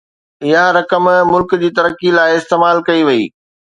اها رقم ملڪ جي ترقي لاءِ استعمال ڪئي وئي